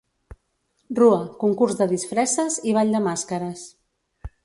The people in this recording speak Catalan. Rua, concurs de disfresses i ball de màscares.